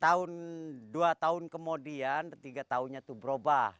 tahun dua tahun kemudian tiga tahunnya itu berubah